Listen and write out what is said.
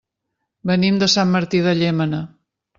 Venim de Sant Martí de Llémena.